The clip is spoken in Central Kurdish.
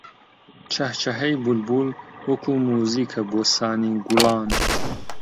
چەهچەهەی بولبول وەکوو مووزیکە بۆ سانی گوڵان